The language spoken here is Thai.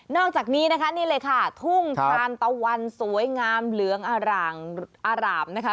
อกจากนี้นะคะนี่เลยค่ะทุ่งทานตะวันสวยงามเหลืองอร่างอร่ามนะคะ